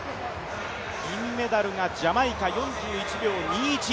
銀メダルがジャマイカ、４１秒２１。